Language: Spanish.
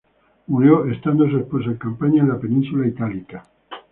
Murió estando su esposo en campaña en la península itálica.